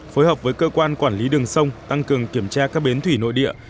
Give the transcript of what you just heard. phối hợp với cơ quan quản lý đường sông tăng cường kiểm tra các bến thủy nội địa